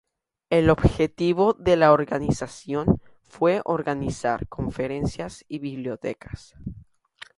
El objetivo de la organización fue organizar conferencias y bibliotecas.